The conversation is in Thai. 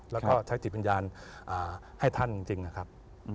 แล้วก็ใช้จิตวิญญาณให้ท่านจริงนะครับ